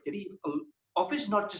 jadi pejabat bukan hanya tentang ruang